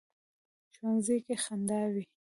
ښوونځی کې خندا وي